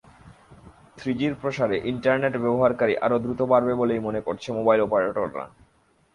থ্রিজির প্রসারে ইন্টারনেট ব্যবহারকারী আরও দ্রুত বাড়বে বলেই মনে করছে মোবাইল অপারেটররা।